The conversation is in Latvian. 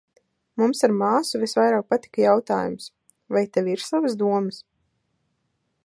Mums ar māsu visvairāk patika jautājums "Vai tev ir savas domas?"